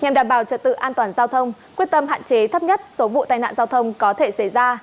nhằm đảm bảo trật tự an toàn giao thông quyết tâm hạn chế thấp nhất số vụ tai nạn giao thông có thể xảy ra